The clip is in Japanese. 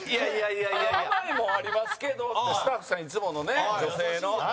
「甘いもんありますけど」ってスタッフさん、いつもの女性の。